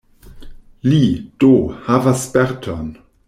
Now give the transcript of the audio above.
Li, do, havas sperton.